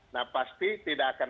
nah pasti tidak akan